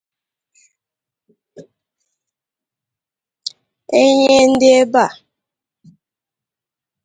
e nye ndị ebe a